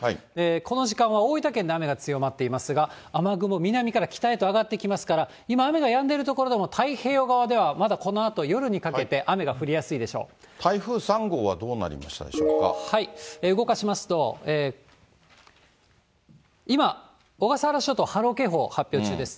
この時間は南部も雨が強まっていますが、雨雲南から北へと上がってきますから、今雨上がっている所でも太平洋側では夜にかけてこのあと雨が降り台風３号はどうなりましたで動かしますと、今、小笠原諸島、波浪警報発表中です。